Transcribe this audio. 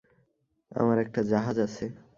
আমার একটা জাহাজ আছে।